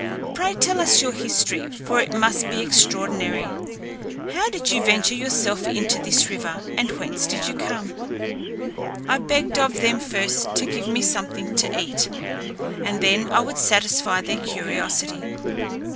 Pray tell us your history, for it must be extraordinary; how did you venture yourself into this river, and whence did you come?" "I begged of them first to give me something to eat, and then I would satisfy. their curiosity.